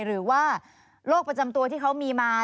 หรือว่าโรคประจำตัวที่เขามีมา